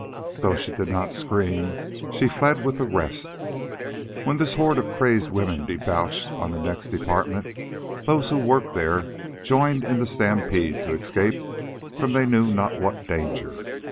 Though she did not scream, she fled with the rest. When this horde of crazed women debouched on the next department, those who worked there joined in the stampede to escape from they knew not what danger.